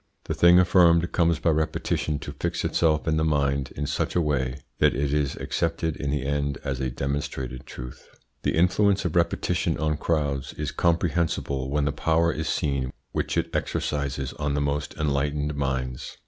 The thing affirmed comes by repetition to fix itself in the mind in such a way that it is accepted in the end as a demonstrated truth. The influence of repetition on crowds is comprehensible when the power is seen which it exercises on the most enlightened minds.